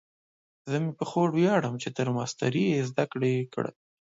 زه مې په خور ویاړم چې تر ماسټرۍ یې زده کړې کړي